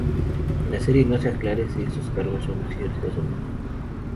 En la serie no se aclara si estos cargos son ciertos o no.